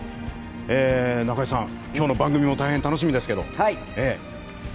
中居さん、今日の番組も大変楽しみですけども。